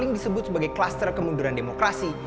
yang disebut sebagai kluster kemunduran demokrasi